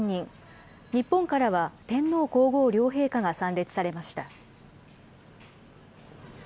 日本からは天皇皇后両陛下が参列されました。